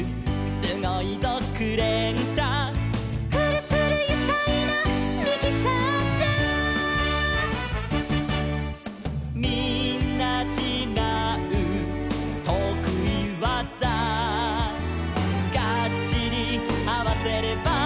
「すごいぞクレーンしゃ」「くるくるゆかいなミキサーしゃ」「みんなちがうとくいわざ」「ガッチリあわせれば」